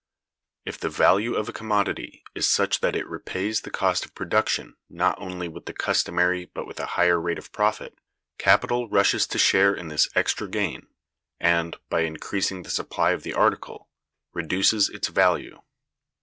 If the value of a commodity is such that it repays the cost of production not only with the customary but with a higher rate of profit, capital rushes to share in this extra gain, and, by increasing the supply of the article, reduces its value.